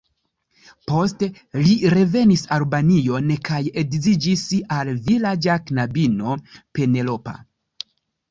Poste li revenis Albanion kaj edziĝis al vilaĝa knabino, Penelopa.